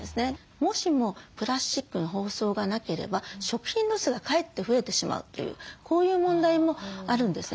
もしもプラスチックの包装がなければ食品ロスがかえって増えてしまうというこういう問題もあるんですね。